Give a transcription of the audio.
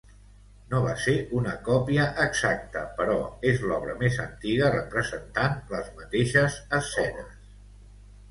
No va ser una còpia exacta però és l'obra més antiga representant les mateixes escenes.